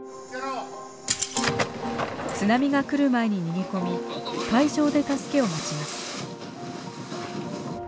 津波が来る前に逃げ込み海上で助けを待ちます。